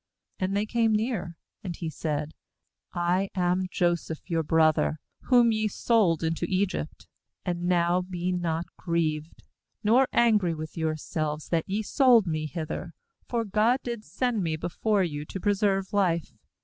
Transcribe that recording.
And they came near. And he said: 'I am Joseph your brother, whom ye sold into Egypt. 5And now be not grieved, nor angry with yourselves, that ye sold 56 GENESIS 46.3 me hither; for God did send me before you to preserve life.